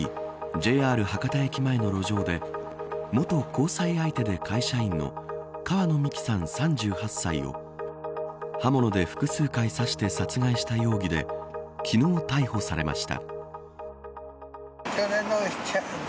ＪＲ博多駅前の路上で元交際相手で会社員の川野美樹さん、３８歳を刃物で複数回刺して殺害した容疑で昨日逮捕されました。